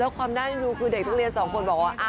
และความหน้าที่หนูคือเด็กโรงเรียนสองคนบอกว่า